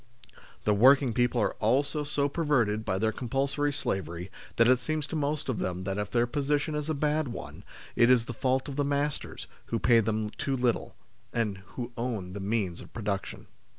The working people are also so perverted by their compulsory slavery that it seems to most of them that if their position is a bad one, it is the fault of the masters, who pay them too little, and who own the means of production.